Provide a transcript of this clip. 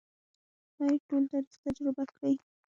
باید ټول تاریخ تجربه کړي.